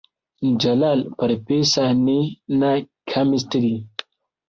Jalal farfesa ne na kamistri.